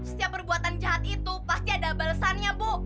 setiap perbuatan jahat itu pasti ada balesannya bu